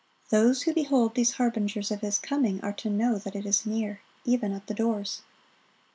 (52) Those who behold these harbingers of His coming are to "know that it is near, even at the doors."